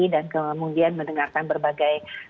dan kemudian mendengarkan berbagai